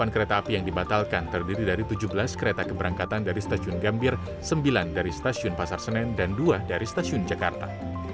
delapan kereta api yang dibatalkan terdiri dari tujuh belas kereta keberangkatan dari stasiun gambir sembilan dari stasiun pasar senen dan dua dari stasiun jakarta